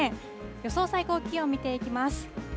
予想最高気温見ていきます。